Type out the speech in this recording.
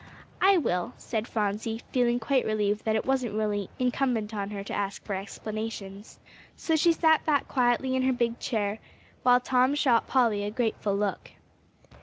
"I will," said Phronsie, feeling quite relieved that it wasn't really incumbent on her to ask for explanations. So she sat back quietly in her big chair, while Tom shot Polly a grateful look.